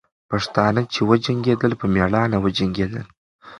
پښتانه چې وجنګېدل، په میړانه وجنګېدل.